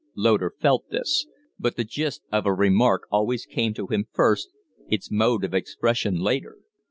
Loder felt this; but the gist of a remark always came to him first, its mode of expression later.